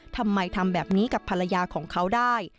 ทำแบบนี้กับภรรยาของเขาได้